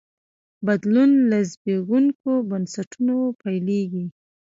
بدلون له زبېښونکو بنسټونو پیلېږي.